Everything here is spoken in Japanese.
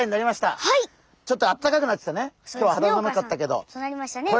ちょっとあったかくなってきたね。